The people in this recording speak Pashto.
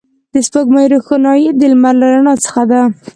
د سپوږمۍ روښنایي د لمر له رڼا څخه ده